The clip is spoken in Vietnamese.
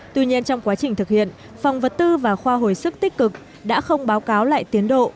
tuy nhiên trong quá trình thực hiện phòng vật tư và khoa hồi sức tích cực đã không báo cáo lại tiến độ